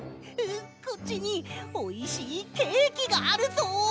こっちにおいしいケーキがあるぞ。